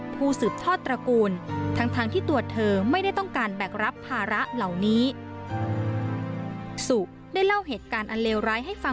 ผู้สืบทอดตระกูล